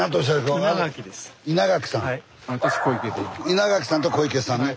稲垣さんと小池さんね。